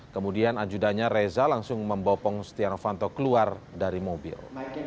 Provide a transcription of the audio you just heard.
kemudian ajudannya reza langsung membopong stianovanto keluar dari mobil